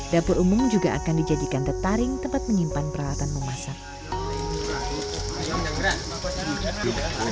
dapur umum juga akan dijadikan tetaring tempat menyimpan peralatan memasak